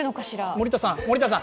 森田さん、森田さん